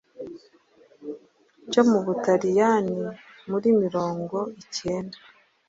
cyo mu Butaliyani muri mirongo icyenda